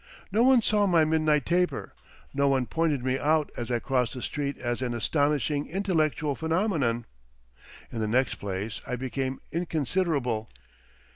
No one saw my midnight taper; no one pointed me out as I crossed the street as an astonishing intellectual phenomenon. In the next place I became inconsiderable.